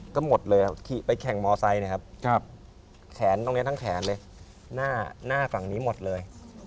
ก็หมดเลยขี่ไปแข่งมอไซค์นะครับแขนตรงนี้ทั้งแขนเลยหน้าฝั่งนี้หมดเลย